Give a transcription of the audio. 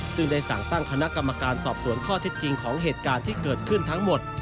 ซึ่งได้สั่งตั้งคณะกรรมการสอบสวนข้อเท็จจริงของเหตุการณ์ที่เกิดขึ้นทั้งหมด